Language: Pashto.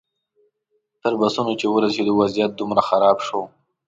تر بسونو چې ورسېدو وضعیت دومره خراب شو.